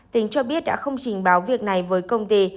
tính cho biết đã không trình báo việc này với công ty